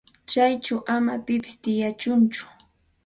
Chayćhu ama pipis tiyachunchu.